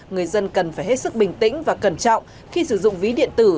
người dân cần phải hết sức bình tĩnh và cẩn trọng khi sử dụng ví điện tử